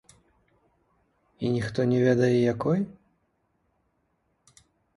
І ніхто не ведае, якой?